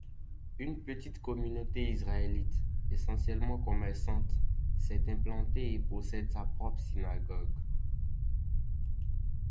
Une petite communauté israélite, essentiellement commerçante, s'est implantée et possède sa propre synagogue.